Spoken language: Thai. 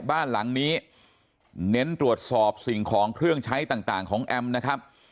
บ้านหลังนี้เน้นตรวจสอบสิ่งของเครื่องใช้ต่างของแอมนะครับ